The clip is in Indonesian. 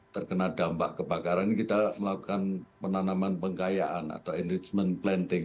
terkena dampak kebakaran kita melakukan penanaman pengkayaan atau enrichment planting